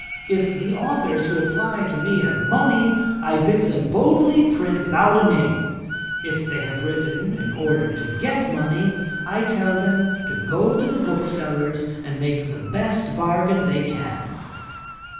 If the authours who apply to me have money, I bid them boldly print without a name; if they have written in order to get money, I tell them to go to the booksellers, and make the best bargain they can.'